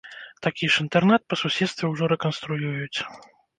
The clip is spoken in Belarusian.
Такі ж інтэрнат па суседстве ўжо рэканструююць.